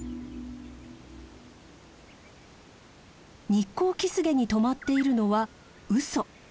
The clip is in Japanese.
ニッコウキスゲに止まっているのはウソ。